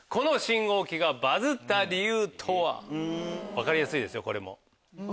分かりやすいですよこれも。